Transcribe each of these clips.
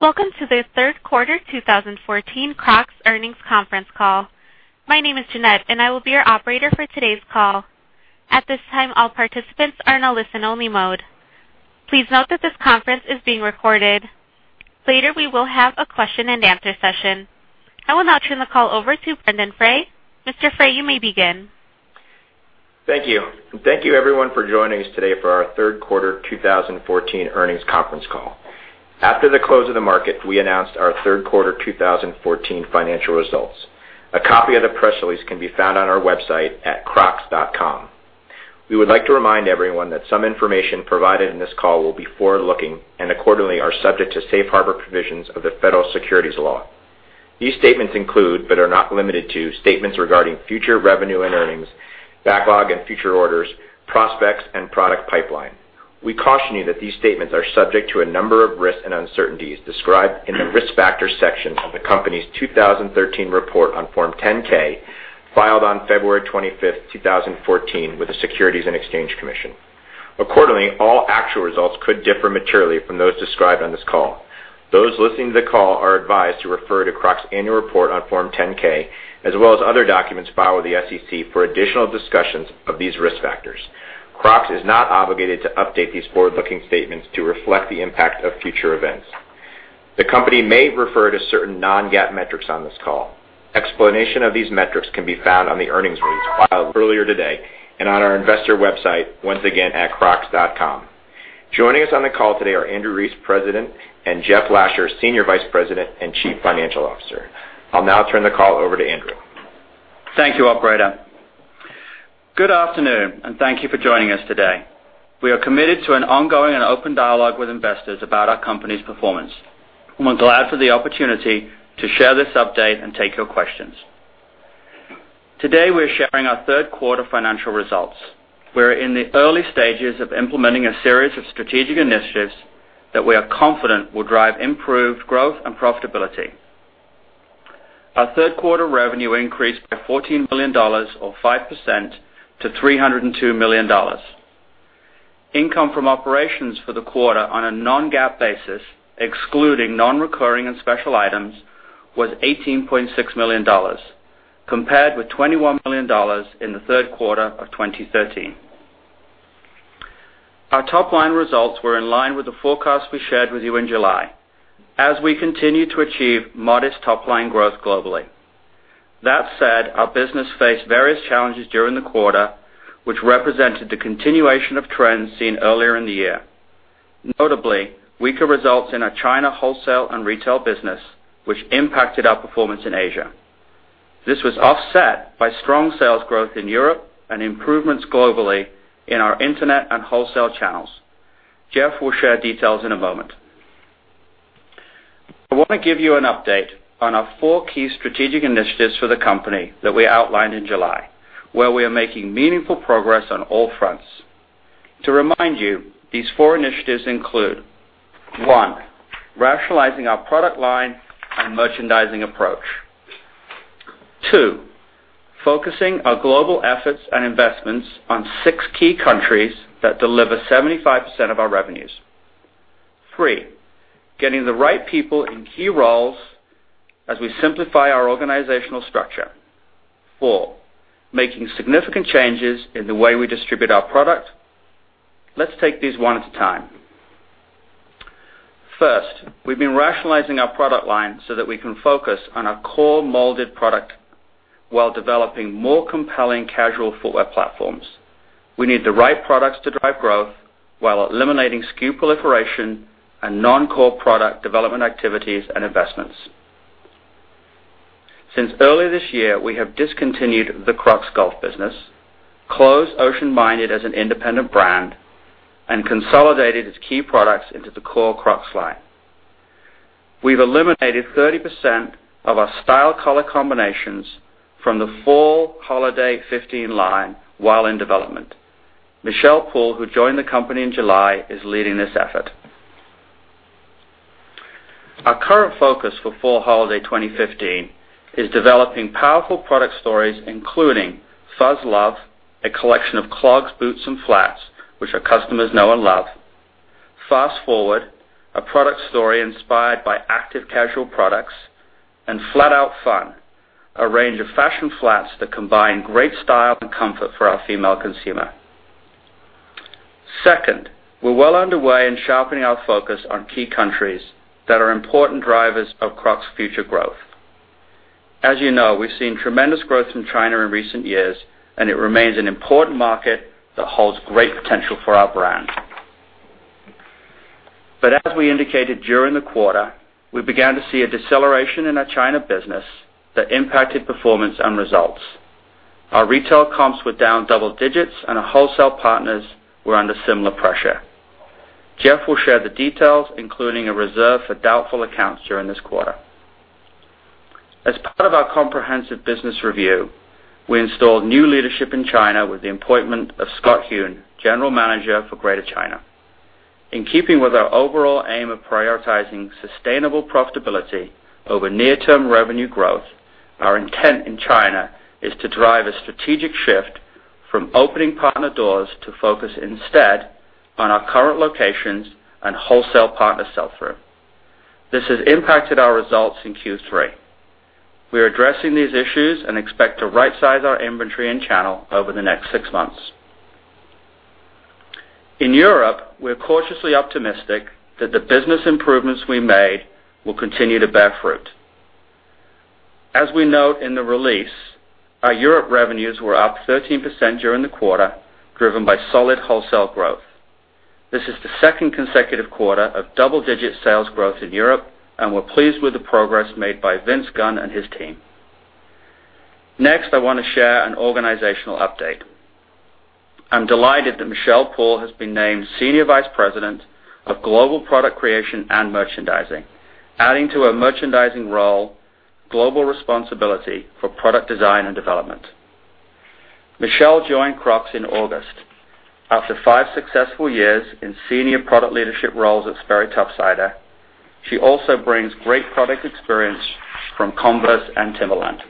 Welcome to the third quarter 2014 Crocs earnings conference call. My name is Jeanette, and I will be your operator for today's call. At this time, all participants are in a listen-only mode. Please note that this conference is being recorded. Later, we will have a question and answer session. I will now turn the call over to Brendon Frey. Mr. Frey, you may begin. Thank you. Thank you everyone for joining us today for our third quarter 2014 earnings conference call. After the close of the market, we announced our third quarter 2014 financial results. A copy of the press release can be found on our website at crocs.com. We would like to remind everyone that some information provided in this call will be forward-looking and accordingly are subject to Safe Harbor provisions of the Federal Securities law. These statements include, but are not limited to, statements regarding future revenue and earnings, backlog and future orders, prospects, and product pipeline. We caution you that these statements are subject to a number of risks and uncertainties described in the risk factors section of the company's 2013 report on Form 10-K, filed on February 25th, 2014, with the Securities and Exchange Commission. All actual results could differ materially from those described on this call. Those listening to the call are advised to refer to Crocs' annual report on Form 10-K, as well as other documents filed with the SEC for additional discussions of these risk factors. Crocs is not obligated to update these forward-looking statements to reflect the impact of future events. The company may refer to certain non-GAAP metrics on this call. Explanation of these metrics can be found on the earnings release filed earlier today and on our investor website, once again, at crocs.com. Joining us on the call today are Andrew Rees, President, and Jeff Lasher, Senior Vice President and Chief Financial Officer. I'll now turn the call over to Andrew. Thank you, operator. Good afternoon, and thank you for joining us today. We are committed to an ongoing and open dialogue with investors about our company's performance. We're glad for the opportunity to share this update and take your questions. Today, we're sharing our third quarter financial results. We're in the early stages of implementing a series of strategic initiatives that we are confident will drive improved growth and profitability. Our third quarter revenue increased by $14 million, or 5%, to $302 million. Income from operations for the quarter on a non-GAAP basis, excluding non-recurring and special items, was $18.6 million, compared with $21 million in the third quarter of 2013. Our top-line results were in line with the forecast we shared with you in July as we continue to achieve modest top-line growth globally. That said, our business faced various challenges during the quarter, which represented the continuation of trends seen earlier in the year. Notably, weaker results in our China wholesale and retail business, which impacted our performance in Asia. This was offset by strong sales growth in Europe and improvements globally in our internet and wholesale channels. Jeff will share details in a moment. I want to give you an update on our four key strategic initiatives for the company that we outlined in July, where we are making meaningful progress on all fronts. To remind you, these four initiatives include, one, rationalizing our product line and merchandising approach. Two, focusing our global efforts and investments on six key countries that deliver 75% of our revenues. Three, getting the right people in key roles as we simplify our organizational structure. Four, making significant changes in the way we distribute our product. Let's take these one at a time. First, we've been rationalizing our product line so that we can focus on our core molded product while developing more compelling casual footwear platforms. We need the right products to drive growth while eliminating SKU proliferation and non-core product development activities and investments. Since early this year, we have discontinued the Crocs Golf business, closed Ocean Minded as an independent brand, and consolidated its key products into the core Crocs line. We've eliminated 30% of our style color combinations from the fall Holiday 15 line while in development. Michelle Poole, who joined the company in July, is leading this effort. Our current focus for fall Holiday 2015 is developing powerful product stories, including Fuzz Luxe, a collection of clogs, boots, and flats, which our customers know and love; Fast Forward, a product story inspired by active casual products; and Flat-Out Fun, a range of fashion flats that combine great style and comfort for our female consumer. Second, we're well underway in sharpening our focus on key countries that are important drivers of Crocs' future growth. As you know, we've seen tremendous growth in China in recent years, and it remains an important market that holds great potential for our brand. As we indicated during the quarter, we began to see a deceleration in our China business that impacted performance and results. Our retail comps were down double digits, and our wholesale partners were under similar pressure. Jeff will share the details, including a reserve for doubtful accounts during this quarter. As part of our comprehensive business review, we installed new leadership in China with the appointment of Scott Yuan, General Manager for Greater China. In keeping with our overall aim of prioritizing sustainable profitability over near-term revenue growth, our intent in China is to drive a strategic shift from opening partner doors to focus instead on our current locations and wholesale partner sell-through. This has impacted our results in Q3. We are addressing these issues and expect to right-size our inventory and channel over the next six months. In Europe, we are cautiously optimistic that the business improvements we made will continue to bear fruit. As we note in the release, our Europe revenues were up 13% during the quarter, driven by solid wholesale growth. This is the second consecutive quarter of double-digit sales growth in Europe, and we're pleased with the progress made by Vince Gunn and his team. Next, I want to share an organizational update. I'm delighted that Michelle Poole has been named Senior Vice President of Global Product Creation and Merchandising, adding to her merchandising role, global responsibility for product design and development. Michelle joined Crocs in August. After five successful years in senior product leadership roles at Sperry Top-Sider, she also brings great product experience from Converse and Timberland.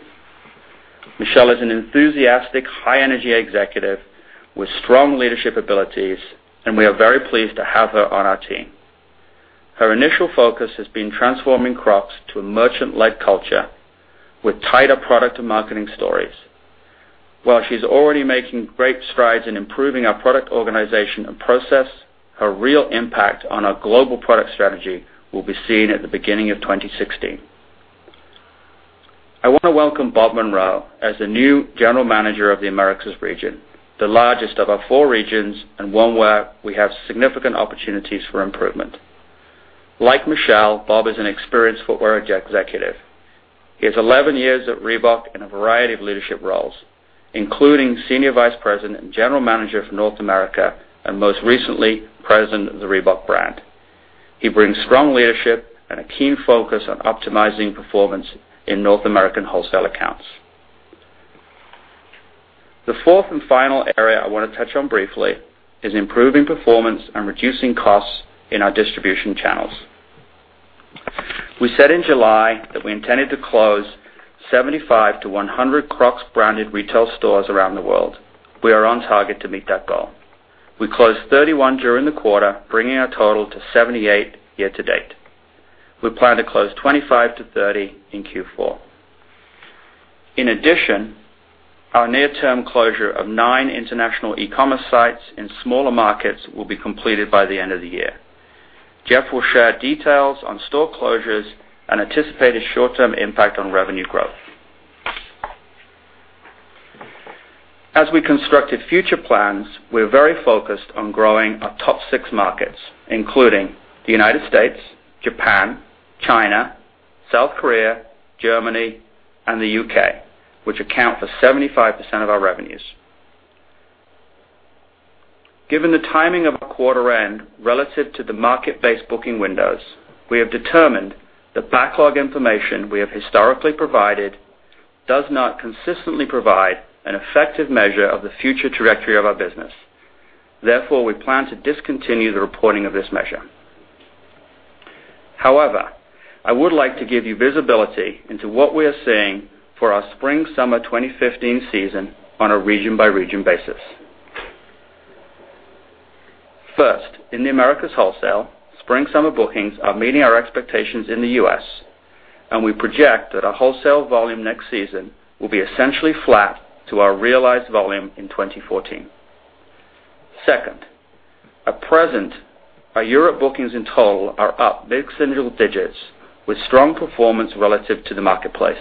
Michelle is an enthusiastic, high-energy executive with strong leadership abilities, and we are very pleased to have her on our team. Her initial focus has been transforming Crocs to a merchant-led culture with tighter product and marketing stories. While she's already making great strides in improving our product organization and process, her real impact on our global product strategy will be seen at the beginning of 2016. I want to welcome Bob Munroe as the new General Manager of the Americas region, the largest of our four regions and one where we have significant opportunities for improvement. Like Michelle, Bob is an experienced footwear executive. He has 11 years at Reebok in a variety of leadership roles, including Senior Vice President and General Manager for North America, and most recently, President of the Reebok brand. He brings strong leadership and a keen focus on optimizing performance in North American wholesale accounts. The fourth and final area I want to touch on briefly is improving performance and reducing costs in our distribution channels. We said in July that we intended to close 75 to 100 Crocs branded retail stores around the world. We are on target to meet that goal. We closed 31 during the quarter, bringing our total to 78 year to date. We plan to close 25 to 30 in Q4. In addition, our near-term closure of nine international e-commerce sites in smaller markets will be completed by the end of the year. Jeff will share details on store closures and anticipated short-term impact on revenue growth. As we constructed future plans, we're very focused on growing our top six markets, including the U.S., Japan, China, South Korea, Germany, and the U.K., which account for 75% of our revenues. Given the timing of our quarter end relative to the market-based booking windows, we have determined that backlog information we have historically provided does not consistently provide an effective measure of the future trajectory of our business. Therefore, we plan to discontinue the reporting of this measure. However, I would like to give you visibility into what we are seeing for our spring/summer 2015 season on a region-by-region basis. First, in the Americas wholesale, spring/summer bookings are meeting our expectations in the U.S. We project that our wholesale volume next season will be essentially flat to our realized volume in 2014. Second, at present, our Europe bookings in total are up mid-single digits with strong performance relative to the marketplace.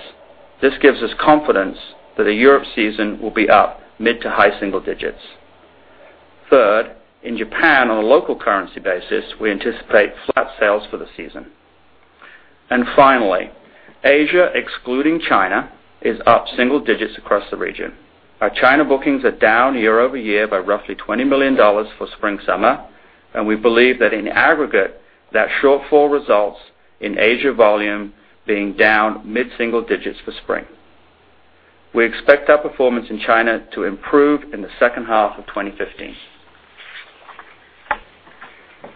This gives us confidence that the Europe season will be up mid to high single digits. Third, in Japan, on a local currency basis, we anticipate flat sales for the season. Finally, Asia, excluding China, is up single digits across the region. Our China bookings are down year-over-year by roughly $20 million for spring/summer, and we believe that in aggregate, that shortfall results in Asia volume being down mid-single digits for spring. We expect our performance in China to improve in the second half of 2015.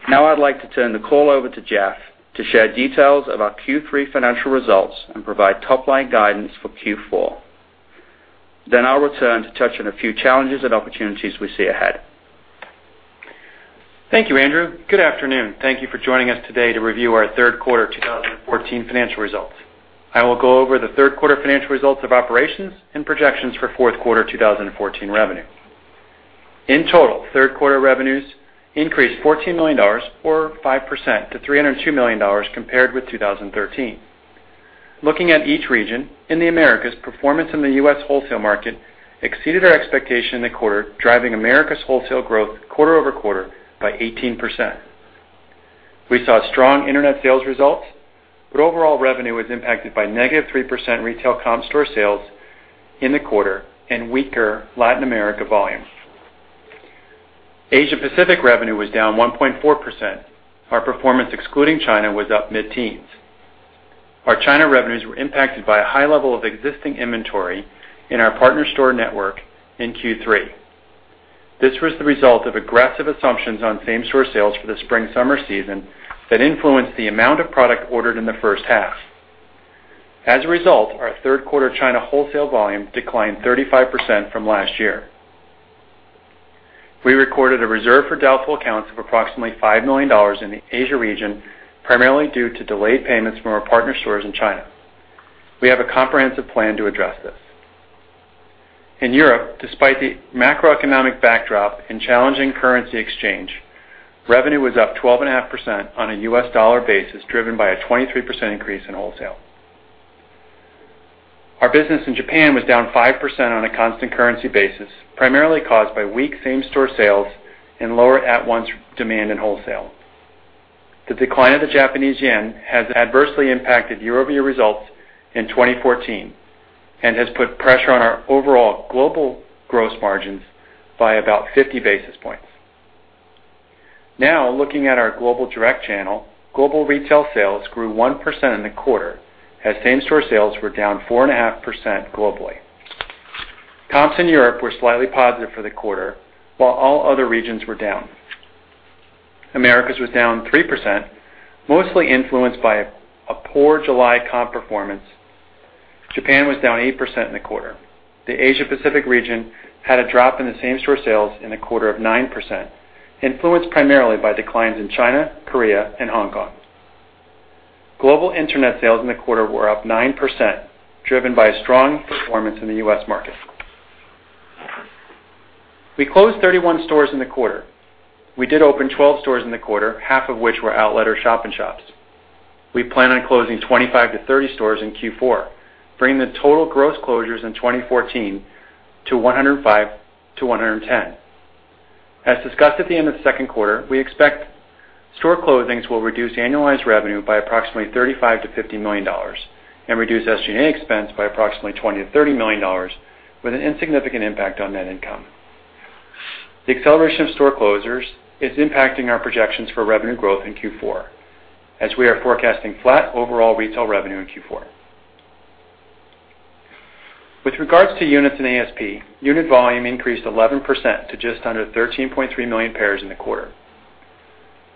I'd like to turn the call over to Jeff to share details of our Q3 financial results and provide top-line guidance for Q4. I'll return to touch on a few challenges and opportunities we see ahead. Thank you, Andrew. Good afternoon. Thank you for joining us today to review our third quarter 2014 financial results. I will go over the third quarter financial results of operations and projections for fourth quarter 2014 revenue. In total, third quarter revenues increased $14 million, or 5%, to $302 million compared with 2013. Looking at each region, in the Americas, performance in the U.S. wholesale market exceeded our expectation in the quarter, driving Americas wholesale growth quarter-over-quarter by 18%. We saw strong internet sales results, overall revenue was impacted by negative 3% retail comp store sales in the quarter and weaker Latin America volumes. Asia Pacific revenue was down 1.4%. Our performance excluding China was up mid-teens. Our China revenues were impacted by a high level of existing inventory in our partner store network in Q3. This was the result of aggressive assumptions on same-store sales for the spring/summer season that influenced the amount of product ordered in the first half. As a result, our third quarter China wholesale volume declined 35% from last year. We recorded a reserve for doubtful accounts of approximately $5 million in the Asia region, primarily due to delayed payments from our partner stores in China. We have a comprehensive plan to address this. In Europe, despite the macroeconomic backdrop and challenging currency exchange, revenue was up 12.5% on a U.S. dollar basis, driven by a 23% increase in wholesale. Our business in Japan was down 5% on a constant currency basis, primarily caused by weak same-store sales and lower at-once demand in wholesale. The decline of the Japanese yen has adversely impacted year-over-year results in 2014 and has put pressure on our overall global gross margins by about 50 basis points. Looking at our global direct channel, global retail sales grew 1% in the quarter as same-store sales were down 4.5% globally. Comps in Europe were slightly positive for the quarter, while all other regions were down. Americas was down 3%, mostly influenced by a poor July comp performance. Japan was down 8% in the quarter. The Asia Pacific region had a drop in the same-store sales in the quarter of 9%, influenced primarily by declines in China, Korea, and Hong Kong. Global internet sales in the quarter were up 9%, driven by a strong performance in the U.S. market. We closed 31 stores in the quarter. We did open 12 stores in the quarter, half of which were outlet or shop-in-shops. We plan on closing 25-30 stores in Q4, bringing the total gross closures in 2014 to 105-110. As discussed at the end of the second quarter, we expect store closings will reduce annualized revenue by approximately $35 million-$50 million and reduce SG&A expense by approximately $20 million-$30 million with an insignificant impact on net income. The acceleration of store closures is impacting our projections for revenue growth in Q4, as we are forecasting flat overall retail revenue in Q4. With regards to units and ASP, unit volume increased 11% to just under 13.3 million pairs in the quarter.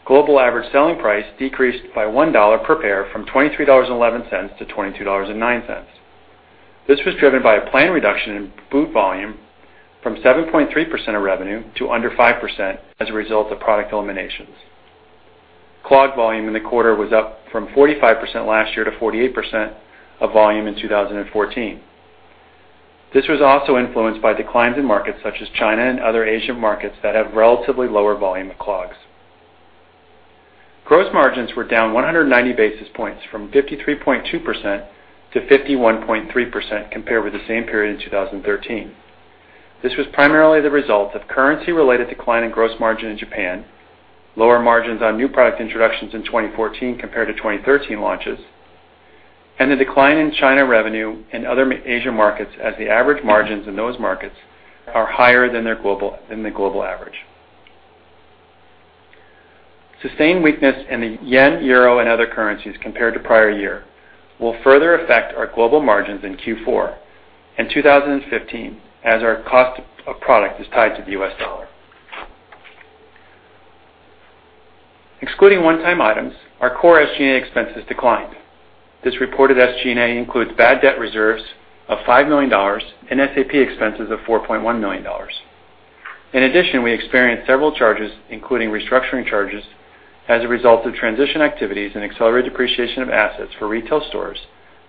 Global average selling price decreased by $1 per pair from $23.11 to $22.09. This was driven by a planned reduction in boot volume from 7.3% of revenue to under 5% as a result of product eliminations. Clog volume in the quarter was up from 45% last year to 48% of volume in 2014. This was also influenced by declines in markets such as China and other Asian markets that have relatively lower volume of clogs. Gross margins were down 190 basis points from 53.2%-51.3% compared with the same period in 2013. This was primarily the result of currency-related decline in gross margin in Japan, lower margins on new product introductions in 2014 compared to 2013 launches, and the decline in China revenue in other Asia markets, as the average margins in those markets are higher than the global average. Sustained weakness in the JPY, EUR, and other currencies compared to prior year will further affect our global margins in Q4 and 2015 as our cost of product is tied to the U.S. dollar. Excluding one-time items, our core SG&A expenses declined. This reported SG&A includes bad debt reserves of $5 million and SAP expenses of $4.1 million. In addition, we experienced several charges, including restructuring charges as a result of transition activities and accelerated depreciation of assets for retail stores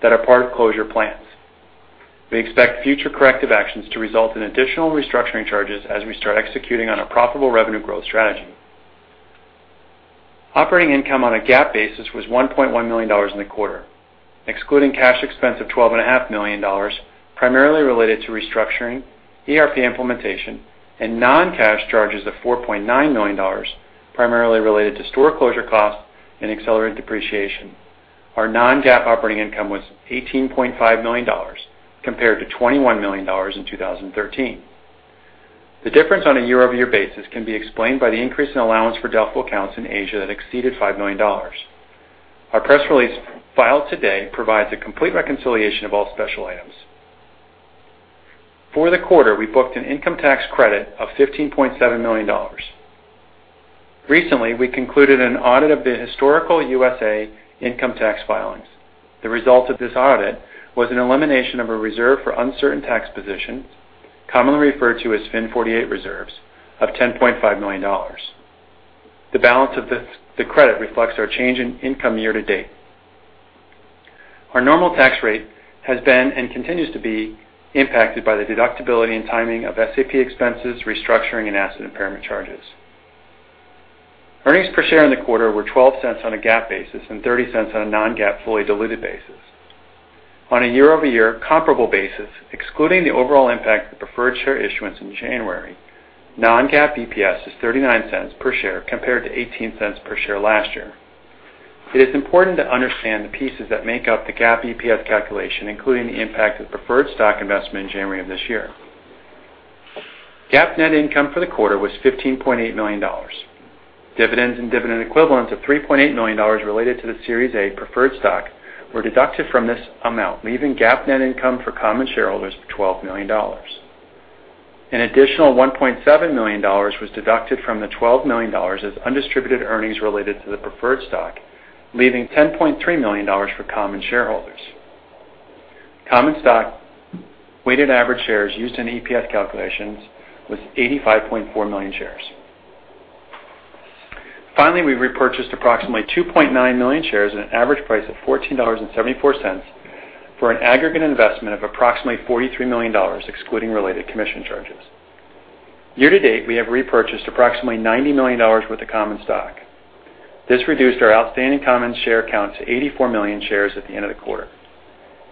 that are part of closure plans. We expect future corrective actions to result in additional restructuring charges as we start executing on a profitable revenue growth strategy. Operating income on a GAAP basis was $1.1 million in the quarter, excluding cash expense of $12.5 million, primarily related to restructuring, ERP implementation, and non-cash charges of $4.9 million, primarily related to store closure costs and accelerated depreciation. Our non-GAAP operating income was $18.5 million compared to $21 million in 2013. The difference on a year-over-year basis can be explained by the increase in allowance for doubtful accounts in Asia that exceeded $5 million. Our press release filed today provides a complete reconciliation of all special items. For the quarter, we booked an income tax credit of $15.7 million. Recently, we concluded an audit of the historical USA income tax filings. The result of this audit was an elimination of a reserve for uncertain tax positions, commonly referred to as FIN 48 reserves, of $10.5 million. The balance of the credit reflects our change in income year to date. Our normal tax rate has been and continues to be impacted by the deductibility and timing of SAP expenses, restructuring, and asset impairment charges. Earnings per share in the quarter were $0.12 on a GAAP basis and $0.30 on a non-GAAP, fully diluted basis. On a year-over-year comparable basis, excluding the overall impact of the preferred share issuance in January, non-GAAP EPS is $0.39 per share compared to $0.18 per share last year. It is important to understand the pieces that make up the GAAP EPS calculation, including the impact of preferred stock investment in January of this year. GAAP net income for the quarter was $15.8 million. Dividends and dividend equivalents of $3.8 million related to the Series A preferred stock were deducted from this amount, leaving GAAP net income for common shareholders of $12 million. An additional $1.7 million was deducted from the $12 million as undistributed earnings related to the preferred stock, leaving $10.3 million for common shareholders. Common stock weighted average shares used in EPS calculations was 85.4 million shares. Finally, we repurchased approximately 2.9 million shares at an average price of $14.74 for an aggregate investment of approximately $43 million, excluding related commission charges. Year-to-date, we have repurchased approximately $90 million worth of common stock. This reduced our outstanding common share count to 84 million shares at the end of the quarter.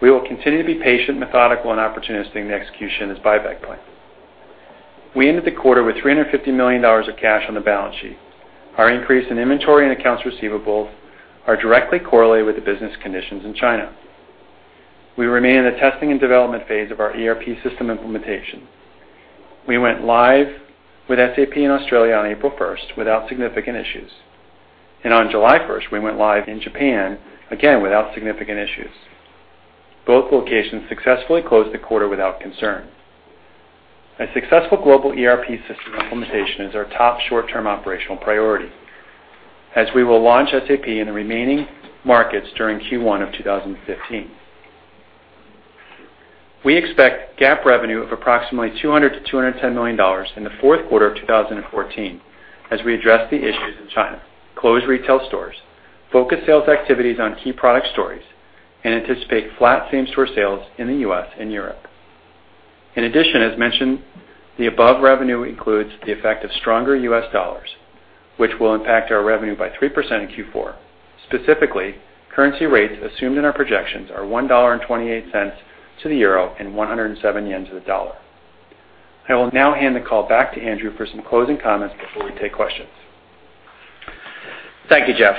We will continue to be patient, methodical, and opportunistic in the execution of this buyback plan. We ended the quarter with $350 million of cash on the balance sheet. Our increase in inventory and accounts receivable are directly correlated with the business conditions in China. We remain in the testing and development phase of our ERP system implementation. We went live with SAP in Australia on April 1st without significant issues. On July 1st, we went live in Japan, again, without significant issues. Both locations successfully closed the quarter without concern. A successful global ERP system implementation is our top short-term operational priority, as we will launch SAP in the remaining markets during Q1 of 2015. We expect GAAP revenue of approximately $200 million-$210 million in the fourth quarter of 2014 as we address the issues in China, close retail stores, focus sales activities on key product stories, and anticipate flat same-store sales in the U.S. and Europe. In addition, as mentioned, the above revenue includes the effect of stronger U.S. dollars, which will impact our revenue by 3% in Q4. Specifically, currency rates assumed in our projections are $1.28 to the euro and 107 yen to the dollar. I will now hand the call back to Andrew for some closing comments before we take questions. Thank you, Jeff.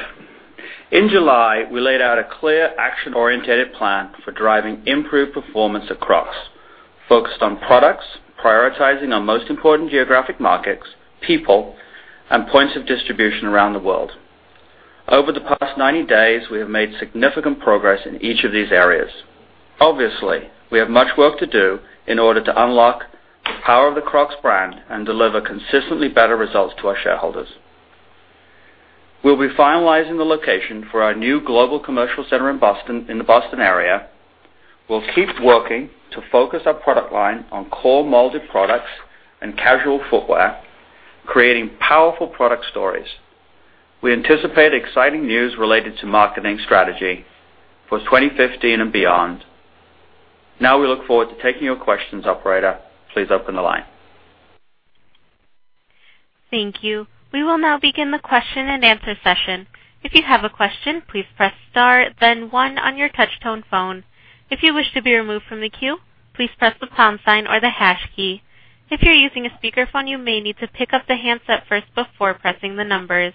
In July, we laid out a clear, action-orientated plan for driving improved performance at Crocs, focused on products, prioritizing our most important geographic markets, people, and points of distribution around the world. Over the past 90 days, we have made significant progress in each of these areas. Obviously, we have much work to do in order to unlock the power of the Crocs brand and deliver consistently better results to our shareholders. We'll be finalizing the location for our new global commercial center in the Boston area. We'll keep working to focus our product line on core molded products and casual footwear, creating powerful product stories. We anticipate exciting news related to marketing strategy for 2015 and beyond. Now we look forward to taking your questions. Operator, please open the line. Thank you. We will now begin the question-and-answer session. If you have a question, please press star then one on your touch tone phone. If you wish to be removed from the queue, please press the pound sign or the hash key. If you're using a speakerphone, you may need to pick up the handset first before pressing the numbers.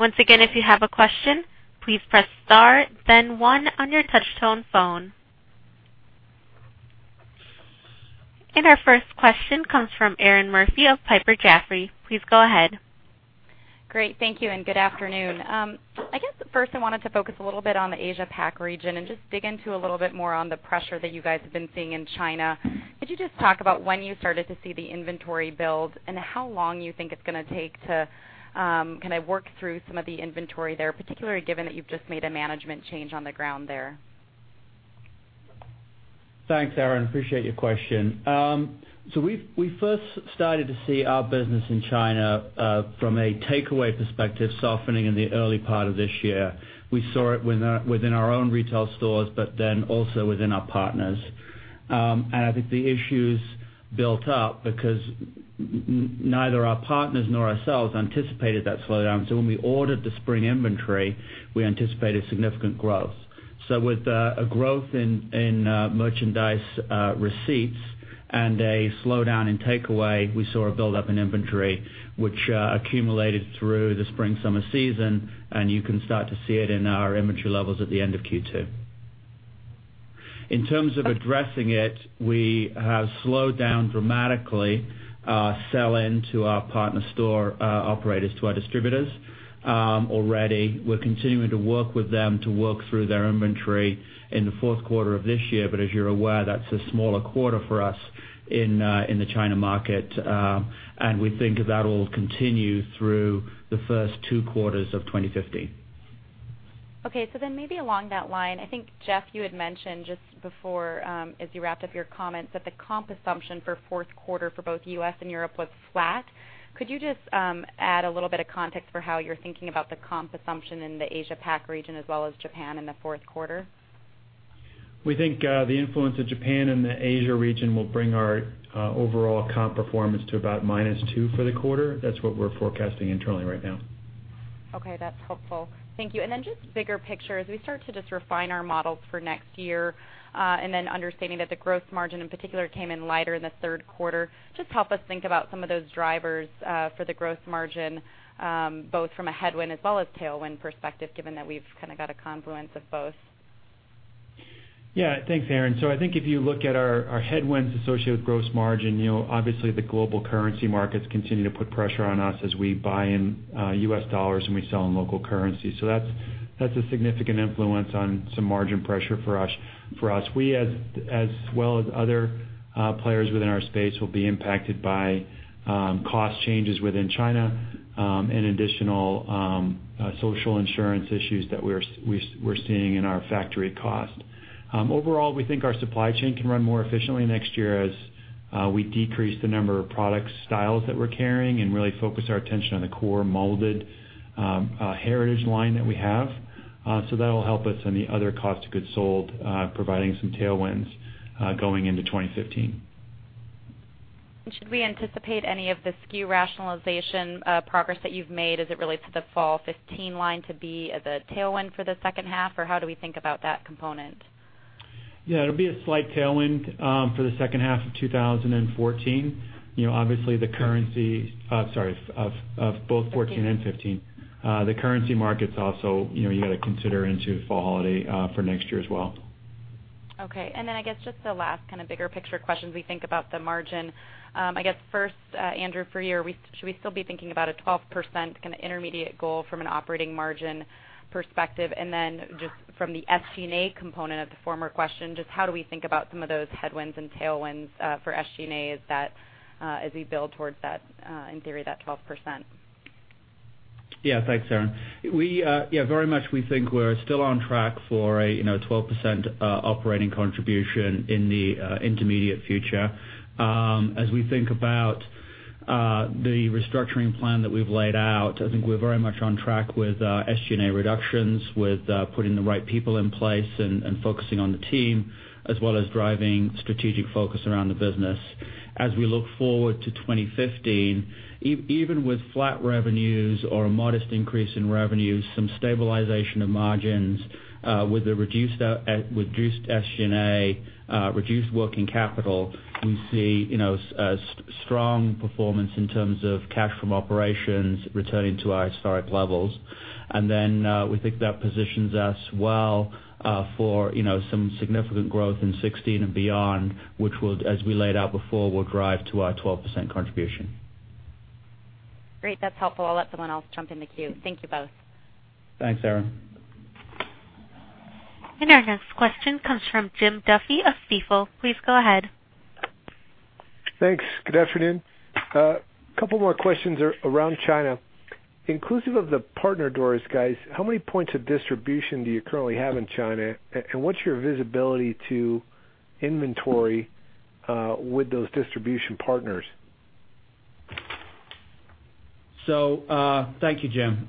Once again, if you have a question, please press star then one on your touch tone phone. Our first question comes from Erinn Murphy of Piper Jaffray. Please go ahead. Great. Thank you. Good afternoon. I guess first I wanted to focus a little bit on the Asia Pac region and just dig into a little bit more on the pressure that you guys have been seeing in China. Could you just talk about when you started to see the inventory build and how long you think it's going to take to kind of work through some of the inventory there, particularly given that you've just made a management change on the ground there? Thanks, Erin. Appreciate your question. We first started to see our business in China, from a takeaway perspective, softening in the early part of this year. We saw it within our own retail stores, also within our partners. I think the issues built up because neither our partners nor ourselves anticipated that slowdown. When we ordered the spring inventory, we anticipated significant growth. With a growth in merchandise receipts and a slowdown in takeaway, we saw a buildup in inventory, which accumulated through the spring-summer season, and you can start to see it in our inventory levels at the end of Q2. In terms of addressing it, we have slowed down dramatically sell-in to our partner store operators, to our distributors. Already, we're continuing to work with them to work through their inventory in the fourth quarter of this year. As you're aware, that's a smaller quarter for us in the China market. We think that'll continue through the first two quarters of 2015. Okay. Maybe along that line, I think, Jeff, you had mentioned just before, as you wrapped up your comments, that the comp assumption for fourth quarter for both U.S. and Europe was flat. Could you just add a little bit of context for how you're thinking about the comp assumption in the Asia Pac region as well as Japan in the fourth quarter? We think the influence of Japan and the Asia region will bring our overall comp performance to about -2% for the quarter. That's what we're forecasting internally right now. Okay. That's helpful. Thank you. Just bigger picture, as we start to just refine our models for next year, understanding that the gross margin in particular came in lighter in the third quarter, just help us think about some of those drivers for the gross margin, both from a headwind as well as tailwind perspective, given that we've kind of got a confluence of both. Yeah. Thanks, Erinn. I think if you look at our headwinds associated with gross margin, obviously, the global currency markets continue to put pressure on us as we buy in U.S. dollars and we sell in local currency. That's a significant influence on some margin pressure for us. We, as well as other players within our space, will be impacted by cost changes within China and additional social insurance issues that we're seeing in our factory cost. Overall, we think our supply chain can run more efficiently next year as we decrease the number of product styles that we're carrying and really focus our attention on the core molded heritage line that we have. That'll help us in the other cost of goods sold, providing some tailwinds, going into 2015. Should we anticipate any of the SKU rationalization progress that you've made as it relates to the fall 2015 line to be as a tailwind for the second half, or how do we think about that component? Yeah, it'll be a slight tailwind for the second half of 2014. Obviously, of both 2014 and 2015. The currency market's also, you've got to consider into fall holiday for next year as well. Okay. I guess just the last kind of bigger picture question as we think about the margin. I guess first, Andrew, for you, should we still be thinking about a 12% kind of intermediate goal from an operating margin perspective? Just from the SG&A component of the former question, just how do we think about some of those headwinds and tailwinds for SG&A as we build towards that, in theory, that 12%? Yeah. Thanks, Erinn. Very much, we think we're still on track for a 12% operating contribution in the intermediate future. As we think about the restructuring plan that we've laid out, I think we're very much on track with SG&A reductions, with putting the right people in place and focusing on the team, as well as driving strategic focus around the business. As we look forward to 2015, even with flat revenues or a modest increase in revenues, some stabilization of margins, with the reduced SG&A, reduced working capital, we see strong performance in terms of cash from operations returning to our historic levels. We think that positions us well for some significant growth in 2016 and beyond, which will, as we laid out before, drive to our 12% contribution. Great. That's helpful. I'll let someone else jump in the queue. Thank you both. Thanks, Erinn. Our next question comes from Jim Duffy of Stifel. Please go ahead. Thanks. Good afternoon. Couple more questions around China. Inclusive of the partner doors, guys, how many points of distribution do you currently have in China? What's your visibility to inventory with those distribution partners? Thank you, Jim.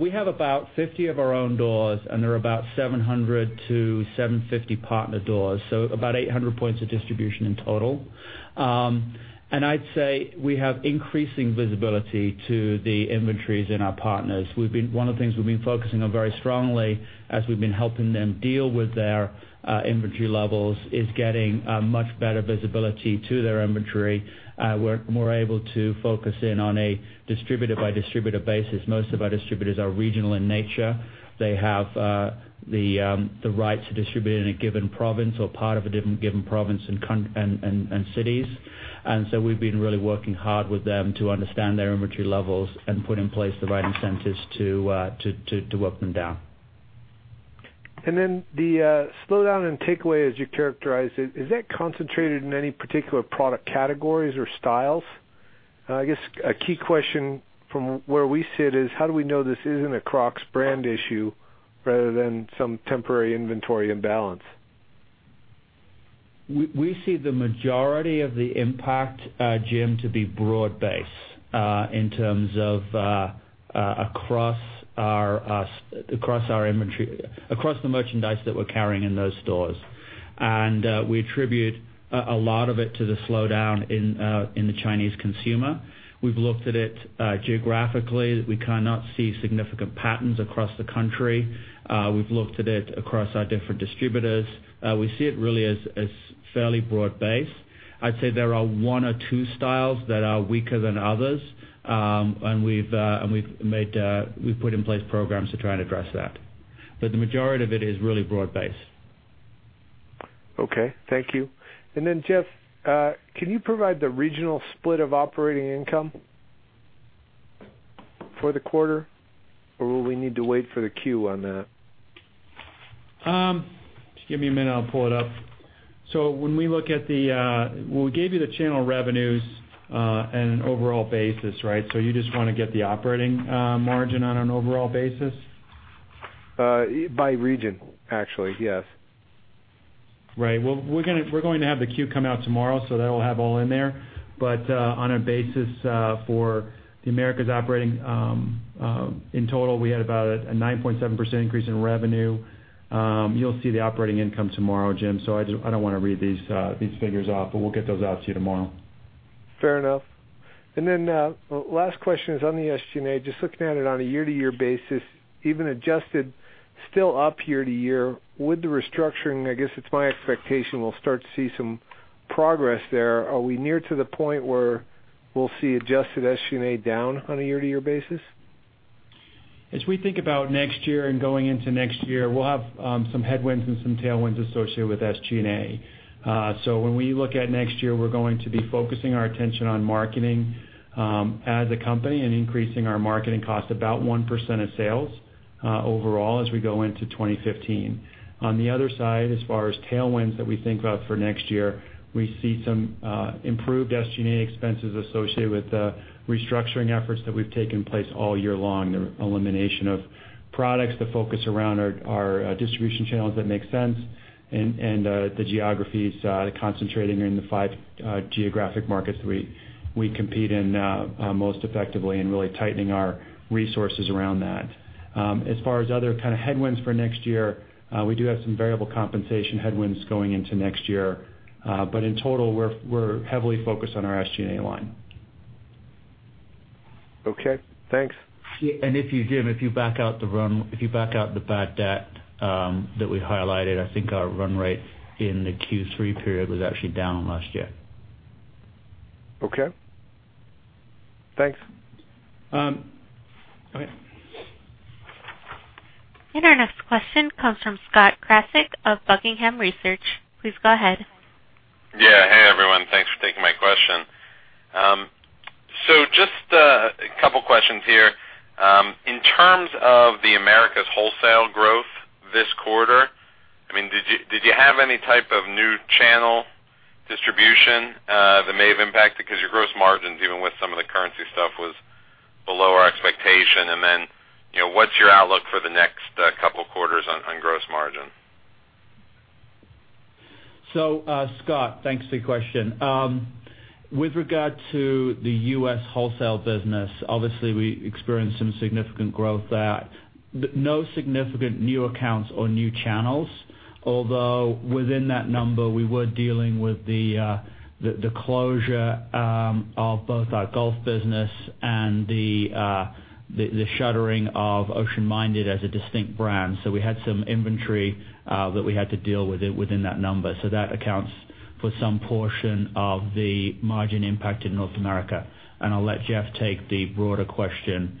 We have about 50 of our own doors, there are about 700-750 partner doors, so about 800 points of distribution in total. I'd say we have increasing visibility to the inventories in our partners. One of the things we've been focusing on very strongly as we've been helping them deal with their inventory levels is getting a much better visibility to their inventory. We're more able to focus in on a distributor-by-distributor basis. Most of our distributors are regional in nature. They have the right to distribute in a given province or part of a given province and cities. So we've been really working hard with them to understand their inventory levels and put in place the right incentives to work them down. The slowdown and takeaway, as you characterized it, is that concentrated in any particular product categories or styles? I guess a key question from where we sit is how do we know this isn't a Crocs brand issue rather than some temporary inventory imbalance? We see the majority of the impact, Jim, to be broad-based in terms of across the merchandise that we're carrying in those stores. We attribute a lot of it to the slowdown in the Chinese consumer. We've looked at it geographically. We cannot see significant patterns across the country. We've looked at it across our different distributors. We see it really as fairly broad based. I'd say there are one or two styles that are weaker than others. We've put in place programs to try and address that. The majority of it is really broad based. Okay. Thank you. Jeff, can you provide the regional split of operating income for the quarter, or will we need to wait for the Q on that? Just give me a minute, I'll pull it up. When we look at, well, we gave you the channel revenues on an overall basis, right? You just want to get the operating margin on an overall basis? By region, actually, yes. Right. Well, we're going to have the queue come out tomorrow, that will have all in there. On a basis for the Americas operating in total, we had about a 9.7% increase in revenue. You'll see the operating income tomorrow, Jim. I don't want to read these figures off, but we'll get those out to you tomorrow. Fair enough. Last question is on the SG&A, just looking at it on a year-to-year basis, even adjusted still up year-to-year. With the restructuring, I guess it's my expectation we'll start to see some progress there. Are we near to the point where we'll see adjusted SG&A down on a year-to-year basis? As we think about next year and going into next year, we'll have some headwinds and some tailwinds associated with SG&A. When we look at next year, we're going to be focusing our attention on marketing as a company and increasing our marketing cost about 1% of sales overall as we go into 2015. On the other side, as far as tailwinds that we think about for next year, we see some improved SG&A expenses associated with the restructuring efforts that we've taken place all year long, the elimination of products, the focus around our distribution channels that make sense, and the geographies concentrating in the five geographic markets that we compete in most effectively and really tightening our resources around that. As far as other kind of headwinds for next year, we do have some variable compensation headwinds going into next year. In total, we're heavily focused on our SG&A line. Okay, thanks. If you, Jim, if you back out the bad debt that we highlighted, I think our run rate in the Q3 period was actually down last year. Okay. Thanks. Go ahead. Our next question comes from Scott Krasik of Buckingham Research. Please go ahead. Yeah. Hey, everyone. Thanks for taking my question. Just a couple questions here. In terms of the Americas wholesale growth this quarter, did you have any type of new channel distribution that may have impacted? Because your gross margins, even with some of the currency stuff, was below our expectation. What's your outlook for the next couple of quarters on gross margin? Scott, thanks for your question. With regard to the U.S. wholesale business, obviously, we experienced some significant growth there. No significant new accounts or new channels. Although within that number, we were dealing with the closure of both our golf business and the shuttering of Ocean Minded as a distinct brand. We had some inventory that we had to deal within that number. That accounts for some portion of the margin impact in North America. I'll let Jeff take the broader question around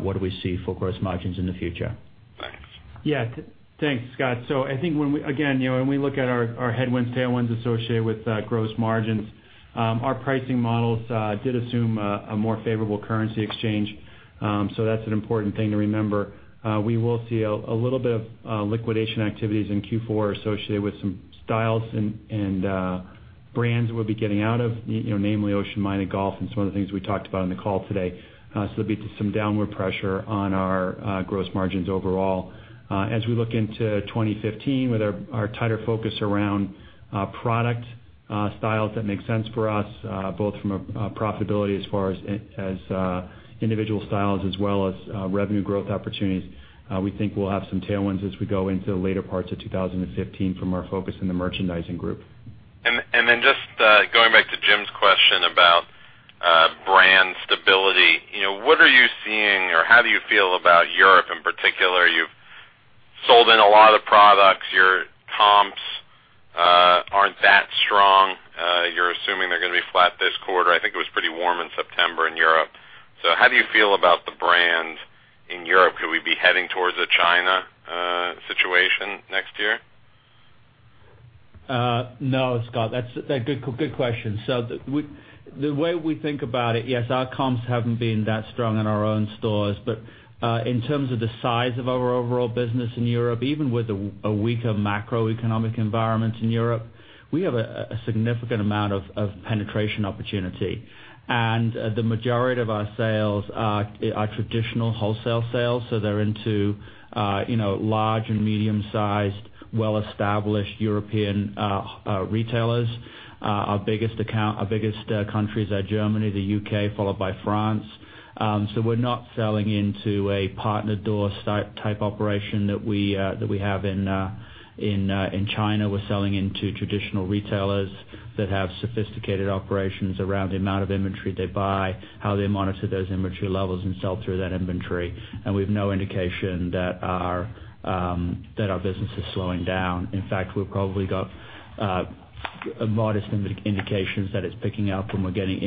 what do we see for gross margins in the future. Thanks. Thanks, Scott. I think, again, when we look at our headwinds, tailwinds associated with gross margins, our pricing models did assume a more favorable currency exchange. That's an important thing to remember. We will see a little bit of liquidation activities in Q4 associated with some styles and brands we'll be getting out of, namely Ocean Minded Golf and some other things we talked about on the call today. There'll be some downward pressure on our gross margins overall. As we look into 2015 with our tighter focus around product styles that make sense for us, both from a profitability as far as individual styles as well as revenue growth opportunities, we think we'll have some tailwinds as we go into the later parts of 2015 from our focus in the merchandising group. Just going back to Jim's question about brand stability. What are you seeing, or how do you feel about Europe in particular? You've sold in a lot of products. Your comps aren't that strong. You're assuming they're going to be flat this quarter. I think it was pretty warm in September in Europe. How do you feel about the brand in Europe? Could we be heading towards a China situation next year? Scott. Good question. The way we think about it, yes, our comps haven't been that strong in our own stores. In terms of the size of our overall business in Europe, even with a weaker macroeconomic environment in Europe, we have a significant amount of penetration opportunity. The majority of our sales are traditional wholesale sales, so they're into large and medium-sized, well-established European retailers. Our biggest countries are Germany, the U.K., followed by France. We're not selling into a partner door type operation that we have in China. We're selling into traditional retailers that have sophisticated operations around the amount of inventory they buy, how they monitor those inventory levels, and sell through that inventory. We have no indication that our business is slowing down. In fact, we've probably got modest indications that it's picking up and we're getting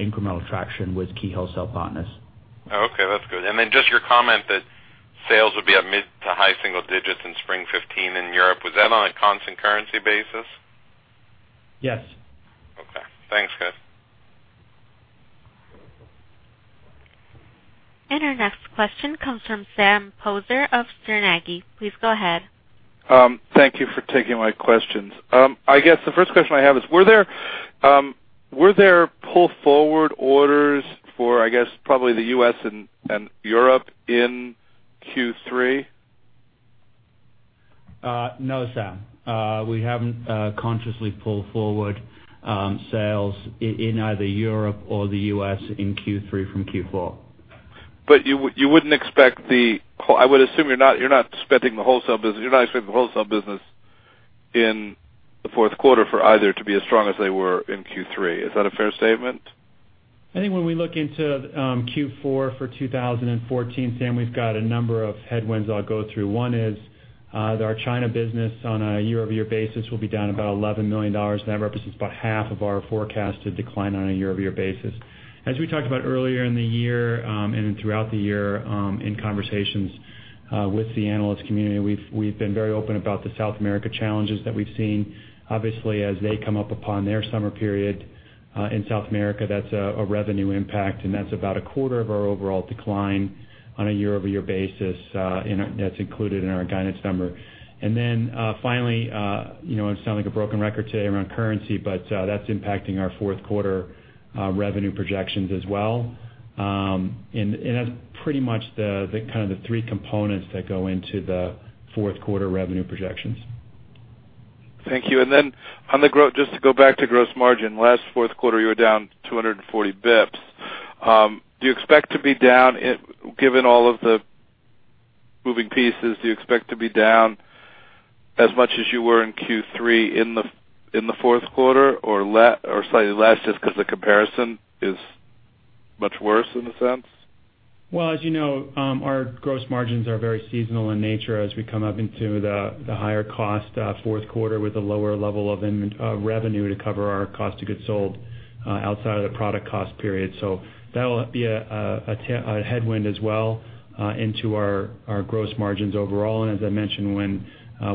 incremental traction with key wholesale partners. Okay, that's good. Just your comment that sales would be at mid to high single digits in spring 2015 in Europe. Was that on a constant currency basis? Yes. Okay. Thanks, guys. Our next question comes from Sam Poser of Sterne Agee. Please go ahead. Thank you for taking my questions. I guess the first question I have is, were there pull-forward orders for, I guess, probably the U.S. and Europe in Q3? No, Sam. We haven't consciously pulled forward sales in either Europe or the U.S. in Q3 from Q4. I would assume you're not expecting the wholesale business in the fourth quarter for either to be as strong as they were in Q3. Is that a fair statement? I think when we look into Q4 for 2014, Sam, we've got a number of headwinds I'll go through. One is, that our China business on a year-over-year basis will be down about $11 million. That represents about half of our forecasted decline on a year-over-year basis. As we talked about earlier in the year, and then throughout the year, in conversations with the analyst community, we've been very open about the South America challenges that we've seen. Obviously, as they come up upon their summer period, in South America, that's a revenue impact, and that's about a quarter of our overall decline on a year-over-year basis. Then, finally, I sound like a broken record today around currency, but that's impacting our fourth quarter revenue projections as well. That's pretty much the three components that go into the fourth quarter revenue projections. Thank you. Just to go back to gross margin. Last fourth quarter, you were down 240 basis points. Given all of the moving pieces, do you expect to be down as much as you were in Q3 in the fourth quarter or slightly less just because the comparison is much worse in a sense? Well, as you know, our gross margins are very seasonal in nature as we come up into the higher cost, fourth quarter with a lower level of revenue to cover our cost of goods sold outside of the product cost period. That'll be a headwind as well into our gross margins overall. As I mentioned when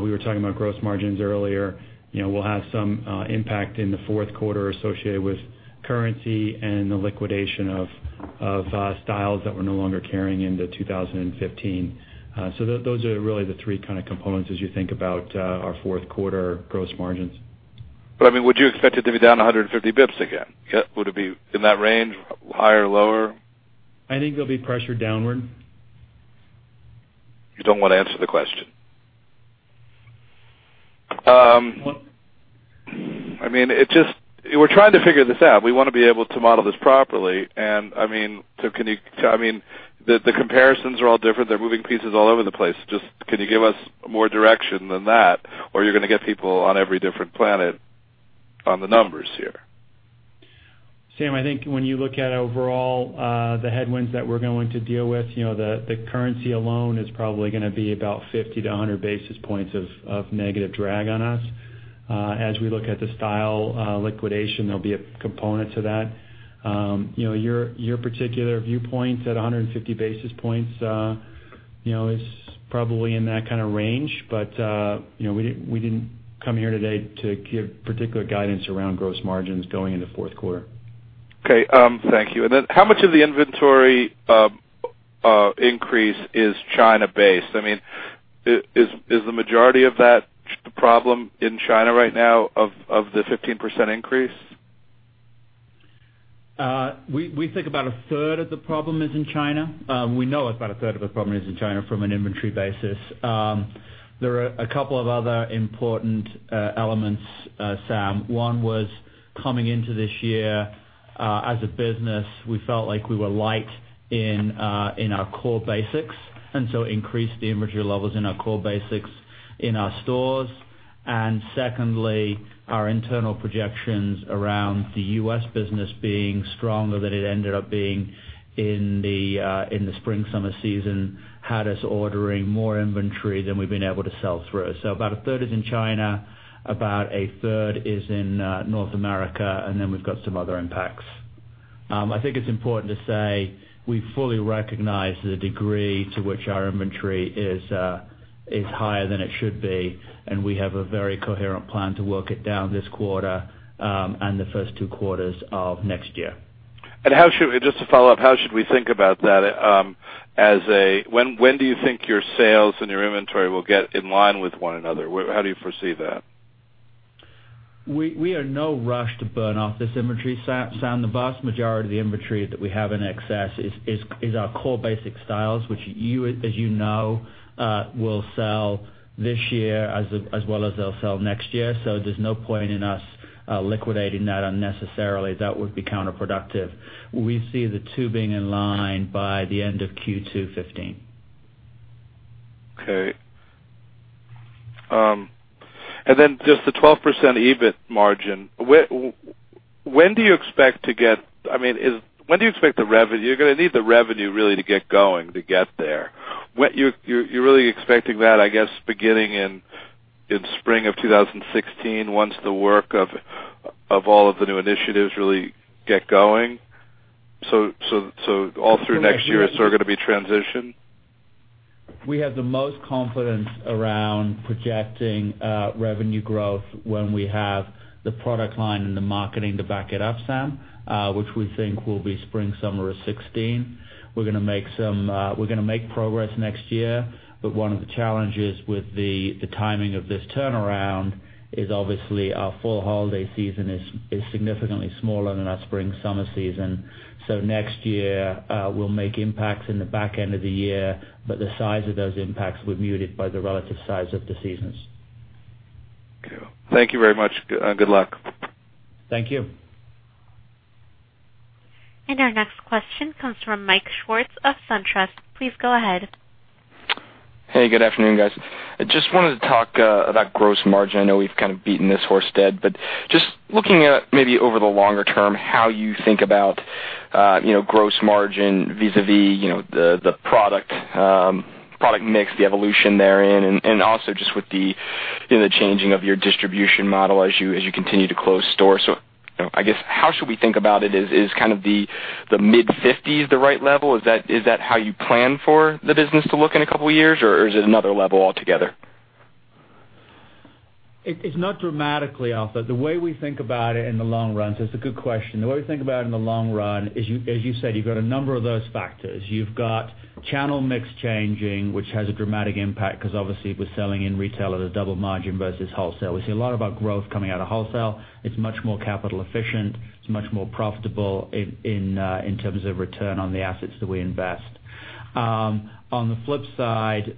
we were talking about gross margins earlier, we'll have some impact in the fourth quarter associated with currency and the liquidation of styles that we're no longer carrying into 2015. Those are really the three kind of components as you think about our fourth quarter gross margins. Would you expect it to be down 150 basis points again? Would it be in that range, higher or lower? I think there'll be pressure downward. You don't want to answer the question. Well We're trying to figure this out. We want to be able to model this properly. The comparisons are all different. They're moving pieces all over the place. Can you give us more direction than that, or you're going to get people on every different planet on the numbers here? Sam, I think when you look at overall, the headwinds that we're going to deal with, the currency alone is probably going to be about 50 basis points-100 basis points of negative drag on us. As we look at the style liquidation, there'll be a component to that. Your particular viewpoints at 150 basis points, is probably in that kind of range. We didn't come here today to give particular guidance around gross margins going into fourth quarter. Okay. Thank you. How much of the inventory increase is China-based? Is the majority of that problem in China right now of the 15% increase? We think about a third of the problem is in China. We know about a third of the problem is in China from an inventory basis. There are a couple of other important elements, Sam. One was coming into this year, as a business, we felt like we were light in our core basics, increased the inventory levels in our core basics in our stores. Secondly, our internal projections around the U.S. business being stronger than it ended up being in the spring-summer season had us ordering more inventory than we've been able to sell through. About a third is in China, about a third is in North America, we've got some other impacts. I think it's important to say we fully recognize the degree to which our inventory is higher than it should be, we have a very coherent plan to work it down this quarter, the first two quarters of next year. Just to follow up, how should we think about that? When do you think your sales and your inventory will get in line with one another? How do you foresee that? We are in no rush to burn off this inventory, Sam. The vast majority of the inventory that we have in excess is our core basic styles, which as you know, will sell this year as well as they'll sell next year. There's no point in us liquidating that unnecessarily. That would be counterproductive. We see the two being in line by the end of Q2 2015. Okay. Just the 12% EBIT margin. You're going to need the revenue really to get going to get there. You're really expecting that, I guess beginning in spring of 2016, once the work of all of the new initiatives really get going. All through next year it's sort of going to be transition? We have the most confidence around projecting revenue growth when we have the product line and the marketing to back it up, Sam, which we think will be spring/summer of 2016. We're going to make progress next year, one of the challenges with the timing of this turnaround is obviously our fall holiday season is significantly smaller than our spring/summer season. Next year, we'll make impacts in the back end of the year, but the size of those impacts were muted by the relative size of the seasons. Okay. Thank you very much. Good luck. Thank you. Our next question comes from Mike Schwartz of SunTrust. Please go ahead. Hey, good afternoon, guys. I just wanted to talk about gross margin. I know we've kind of beaten this horse dead, but just looking at maybe over the longer term, how you think about gross margin vis-a-vis the product mix, the evolution therein, and also just with the changing of your distribution model as you continue to close stores. I guess, how should we think about it? Is kind of the mid-50s the right level? Is that how you plan for the business to look in a couple of years, or is it another level altogether? It's not dramatically off. The way we think about it in the long run, it's a good question. The way we think about it in the long run is, as you said, you've got a number of those factors. You've got channel mix changing, which has a dramatic impact because obviously if we're selling in retail at a double margin versus wholesale. We see a lot of our growth coming out of wholesale. It's much more capital efficient. It's much more profitable in terms of return on the assets that we invest. On the flip side,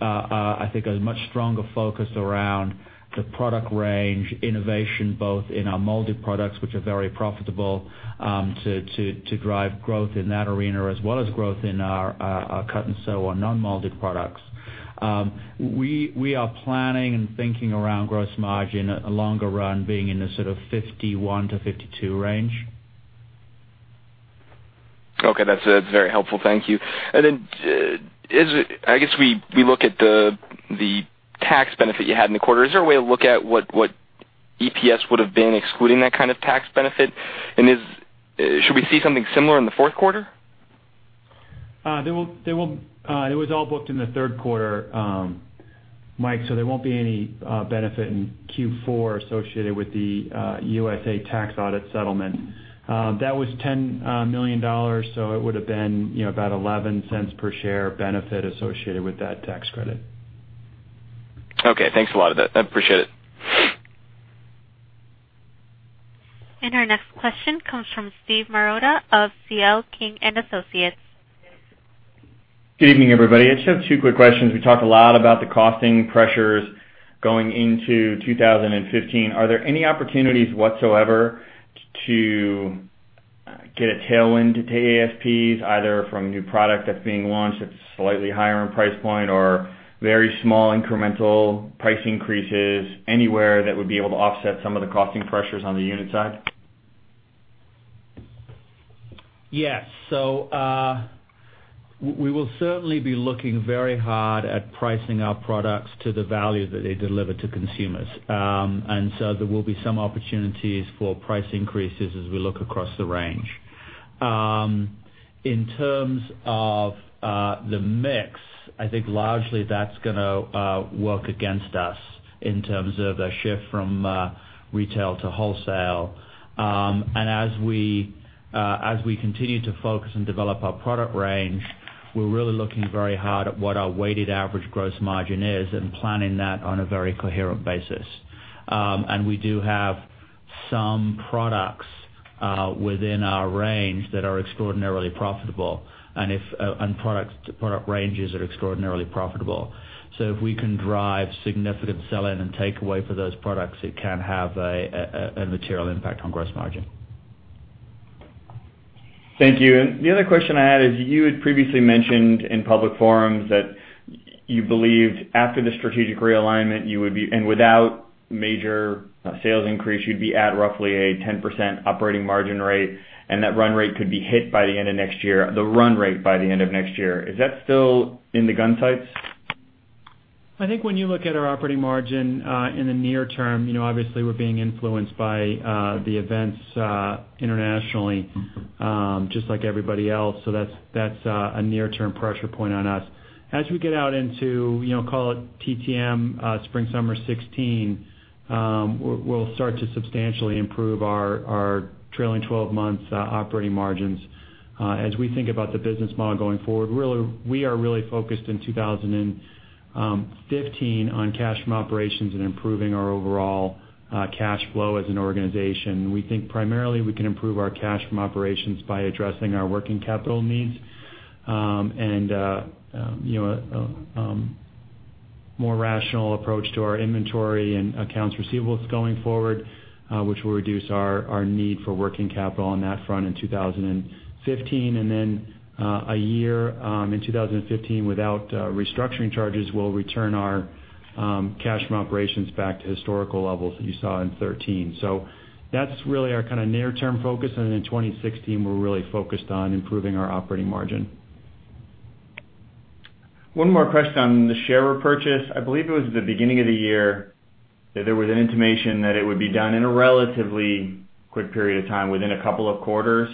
I think a much stronger focus around the product range, innovation, both in our molded products, which are very profitable, to drive growth in that arena, as well as growth in our cut & sew or non-molded products. We are planning and thinking around gross margin, a longer run being in the sort of 51%-52% range. Okay, that's very helpful. Thank you. Then, I guess we look at the tax benefit you had in the quarter. Is there a way to look at what EPS would've been excluding that kind of tax benefit? Should we see something similar in the fourth quarter? It was all booked in the third quarter, Mike. There won't be any benefit in Q4 associated with the USA tax audit settlement. That was $10 million, so it would've been about $0.11 per share benefit associated with that tax credit. Okay, thanks a lot. I appreciate it. Our next question comes from Steve Marotta of C.L. King & Associates. Good evening, everybody. I just have two quick questions. We talked a lot about the costing pressures going into 2015. Are there any opportunities whatsoever to get a tailwind to ASPs, either from new product that's being launched that's slightly higher on price point or very small incremental price increases anywhere that would be able to offset some of the costing pressures on the unit side? Yes. We will certainly be looking very hard at pricing our products to the value that they deliver to consumers. There will be some opportunities for price increases as we look across the range. In terms of the mix, I think largely that's gonna work against us in terms of the shift from retail to wholesale. As we continue to focus and develop our product range, we're really looking very hard at what our weighted average gross margin is and planning that on a very coherent basis. We do have some products within our range that are extraordinarily profitable, and product ranges are extraordinarily profitable. If we can drive significant sell-in and take away for those products, it can have a material impact on gross margin. Thank you. The other question I had is, you had previously mentioned in public forums that you believed after the strategic realignment, and without major sales increase, you'd be at roughly a 10% operating margin rate, and that run rate could be hit by the end of next year. Is that still in the gun sights? I think when you look at our operating margin, in the near term, obviously we're being influenced by the events internationally, just like everybody else. That's a near-term pressure point on us. As we get out into call it TTM spring/summer 2016, we'll start to substantially improve our trailing 12 months operating margins. As we think about the business model going forward, we are really focused in 2015 on cash from operations and improving our overall cash flow as an organization. We think primarily we can improve our cash from operations by addressing our working capital needs, and a more rational approach to our inventory and accounts receivables going forward, which will reduce our need for working capital on that front in 2015. A year, in 2015, without restructuring charges, we'll return our cash from operations back to historical levels that you saw in 2013. That's really our kind of near-term focus. In 2016, we're really focused on improving our operating margin. One more question on the share repurchase. I believe it was the beginning of the year that there was an intimation that it would be done in a relatively quick period of time, within a couple of quarters.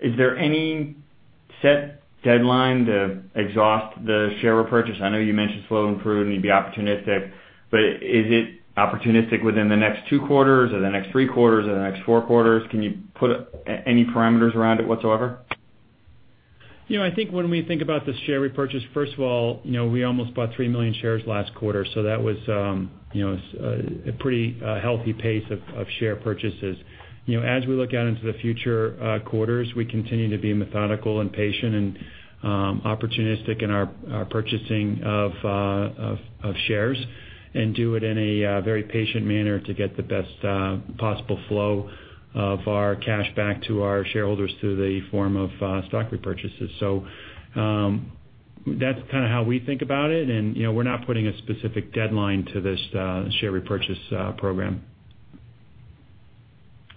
Is there any set deadline to exhaust the share repurchase? I know you mentioned flow improved and you'd be opportunistic, but is it opportunistic within the next two quarters, or the next three quarters, or the next four quarters? Can you put any parameters around it whatsoever? I think when we think about the share repurchase, first of all, we almost bought 3 million shares last quarter. That was a pretty healthy pace of share purchases. As we look out into the future quarters, we continue to be methodical and patient and opportunistic in our purchasing of shares, and do it in a very patient manner to get the best possible flow of our cash back to our shareholders through the form of stock repurchases. That's kind of how we think about it. We're not putting a specific deadline to this share repurchase program.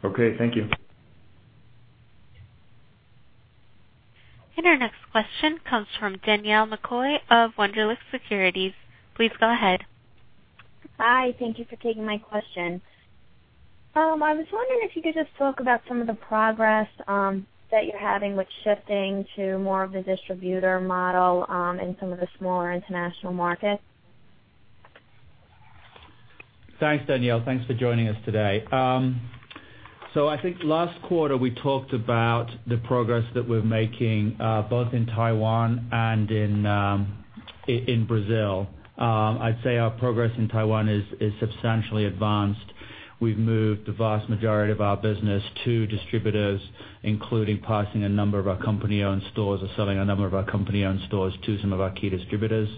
Okay. Thank you. Our next question comes from Danielle McCoy of Wunderlich Securities. Please go ahead. Hi. Thank you for taking my question. I was wondering if you could just talk about some of the progress that you're having with shifting to more of a distributor model in some of the smaller international markets. Thanks, Danielle. Thanks for joining us today. I think last quarter, we talked about the progress that we're making both in Taiwan and in Brazil. I'd say our progress in Taiwan is substantially advanced. We've moved the vast majority of our business to distributors, including passing a number of our company-owned stores or selling a number of our company-owned stores to some of our key distributors.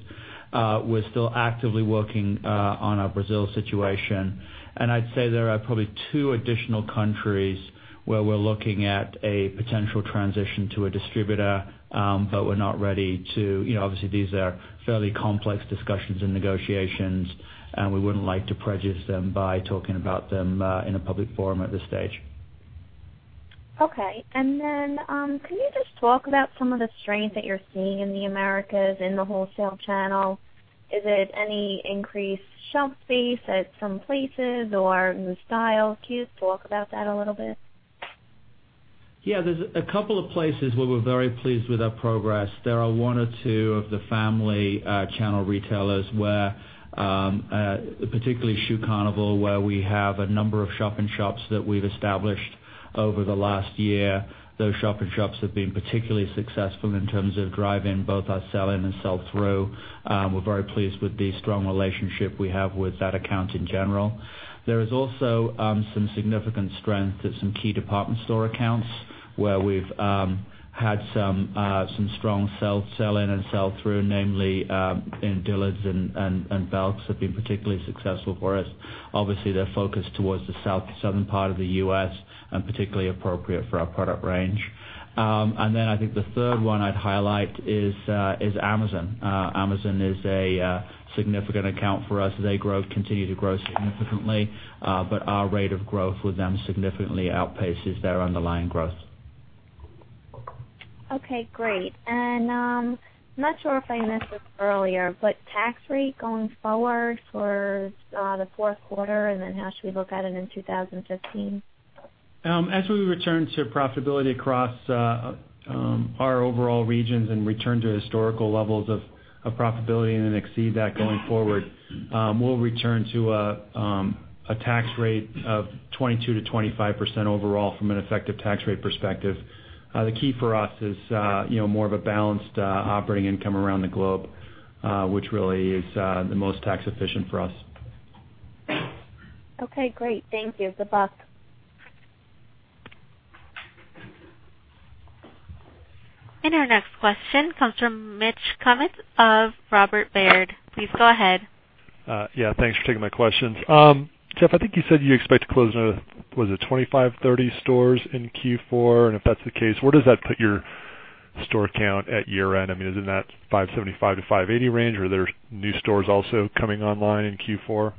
We're still actively working on our Brazil situation. I'd say there are probably two additional countries where we're looking at a potential transition to a distributor, but obviously, these are fairly complex discussions and negotiations, and we wouldn't like to prejudice them by talking about them in a public forum at this stage. Okay. Can you just talk about some of the strength that you're seeing in the Americas in the wholesale channel? Is it any increased shelf space at some places or new style SKUs? Talk about that a little bit. Yeah. There's a couple of places where we're very pleased with our progress. There are one or two of the family channel retailers where, particularly Shoe Carnival, where we have a number of shop in shops that we've established over the last year. Those shop in shops have been particularly successful in terms of driving both our sell-in and sell-through. We're very pleased with the strong relationship we have with that account in general. There is also some significant strength at some key department store accounts where we've had some strong sell-in and sell-through, namely, in Dillard's and Belk have been particularly successful for us. Obviously, they're focused towards the southern part of the U.S. and particularly appropriate for our product range. Then I think the third one I'd highlight is Amazon. Amazon is a significant account for us. They continue to grow significantly, our rate of growth with them significantly outpaces their underlying growth. Okay, great. I'm not sure if I missed this earlier, tax rate going forward for the fourth quarter, then how should we look at it in 2015? As we return to profitability across our overall regions and return to historical levels of profitability and then exceed that going forward, we'll return to a tax rate of 22%-25% overall from an effective tax rate perspective. The key for us is more of a balanced operating income around the globe, which really is the most tax efficient for us. Okay, great. Thank you. Good luck. Our next question comes from Mitch Kummetz of Robert W. Baird. Please go ahead. Yeah. Thanks for taking my questions. Jeff, I think you said you expect to close another, was it 25, 30 stores in Q4? If that's the case, where does that put your store count at year-end? I mean, isn't that 575-580 range, or are there new stores also coming online in Q4?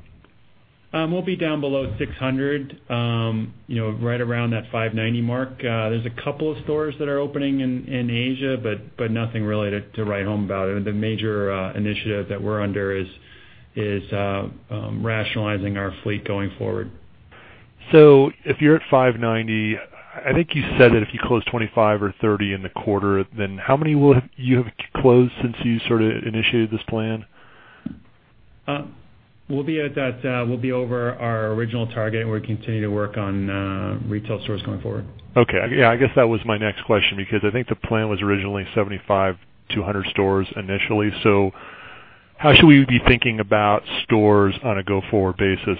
We'll be down below 600. Right around that 590 mark. There's a couple of stores that are opening in Asia, nothing really to write home about. The major initiative that we're under is rationalizing our fleet going forward. If you're at 590, I think you said that if you close 25 or 30 in the quarter, how many will you have closed since you sort of initiated this plan? We'll be over our original target, and we'll continue to work on retail stores going forward. Okay. Yeah, I guess that was my next question because I think the plan was originally 75 to 100 stores initially. How should we be thinking about stores on a go-forward basis,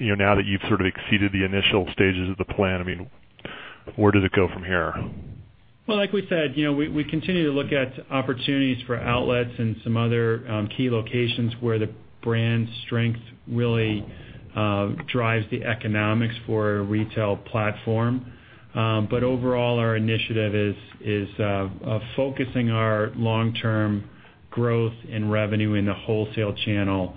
now that you've sort of exceeded the initial stages of the plan? I mean, where does it go from here? Well, like we said, we continue to look at opportunities for opportunities for outlets and some other key locations where the brand strength really drives the economics for a retail platform. Overall, our initiative is focusing our long-term growth in revenue in the wholesale channel,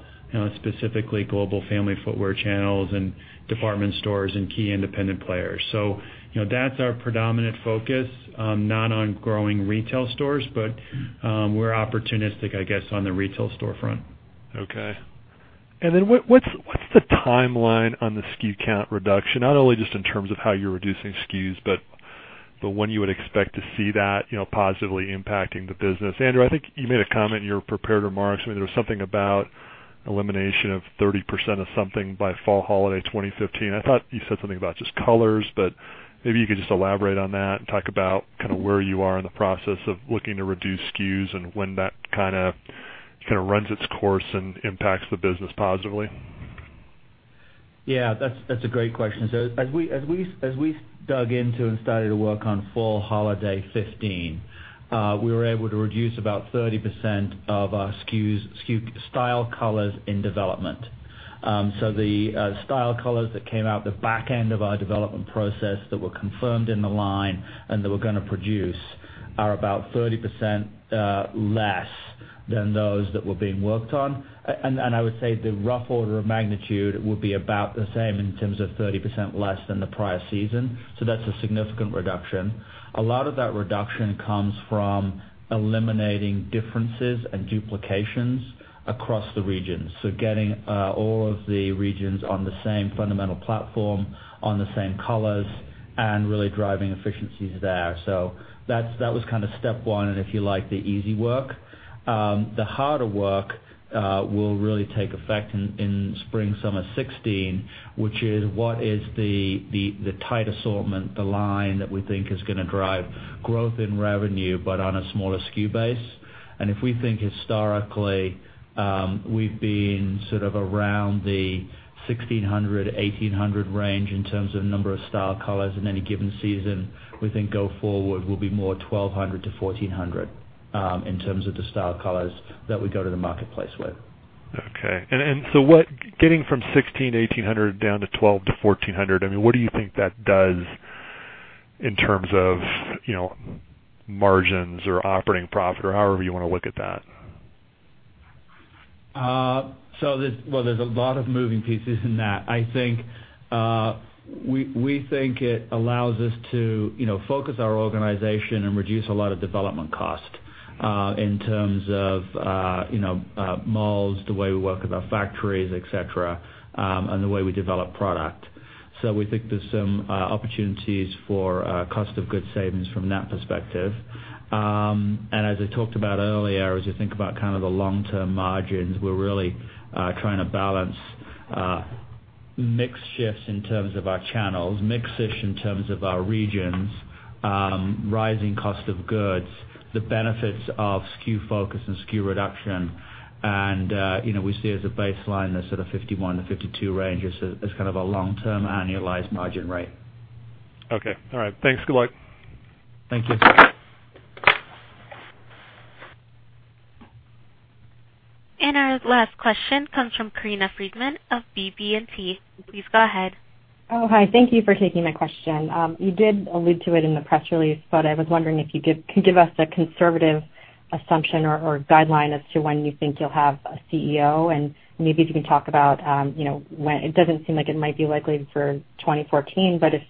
specifically global family footwear channels and department stores and key independent players. That's our predominant focus. Not on growing retail stores, but we're opportunistic, I guess, on the retail storefront. Okay. What's the timeline on the SKU count reduction? Not only just in terms of how you're reducing SKUs, but when you would expect to see that positively impacting the business. Andrew, I think you made a comment in your prepared remarks. I mean, there was something about elimination of 30% of something by fall holiday 2015. I thought you said something about just colors, but maybe you could just elaborate on that and talk about kind of where you are in the process of looking to reduce SKUs and when that kind of runs its course and impacts the business positively. That's a great question. As we dug into and started to work on fall holiday 2015, we were able to reduce about 30% of our SKU style colors in development. The style colors that came out the back end of our development process that were confirmed in the line and that we're going to produce are about 30% less than those that were being worked on. I would say the rough order of magnitude will be about the same in terms of 30% less than the prior season. That's a significant reduction. A lot of that reduction comes from eliminating differences and duplications across the regions. Getting all of the regions on the same fundamental platform, on the same colors, and really driving efficiencies there. That was step one and if you like, the easy work. The harder work will really take effect in spring summer 2016, which is what is the tight assortment, the line that we think is going to drive growth in revenue, but on a smaller SKU base. If we think historically, we've been around the 1,600, 1,800 range in terms of number of style colors in any given season, we think go forward will be more 1,200 to 1,400, in terms of the style colors that we go to the marketplace with. Okay. Getting from 1,600 to 1,800 down to 1,200 to 1,400, what do you think that does in terms of margins or operating profit or however you want to look at that? Well, there's a lot of moving pieces in that. We think it allows us to focus our organization and reduce a lot of development costs, in terms of molds, the way we work with our factories, et cetera, and the way we develop product. We think there's some opportunities for cost of goods savings from that perspective. As I talked about earlier, as you think about the long-term margins, we're really trying to balance mix shifts in terms of our channels, mix shifts in terms of our regions, rising cost of goods, the benefits of SKU focus and SKU reduction. We see as a baseline, the sort of 51%-52% range as kind of a long-term annualized margin rate. Okay. All right. Thanks. Good luck. Thank you. Our last question comes from Corinna Freedman of BB&T. Please go ahead. Oh, hi. Thank you for taking my question. You did allude to it in the press release, but I was wondering if you could give us a conservative assumption or guideline as to when you think you'll have a CEO, and maybe if you can talk about when it doesn't seem like it might be likely for 2014, but if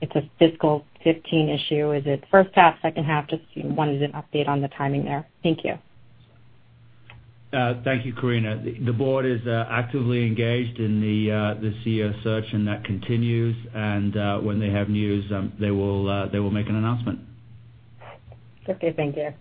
it's a fiscal 2015 issue, is it first half, second half? Just wanted an update on the timing there. Thank you. Thank you, Corinna. The board is actively engaged in the CEO search, and that continues. When they have news, they will make an announcement. Okay. Thank you.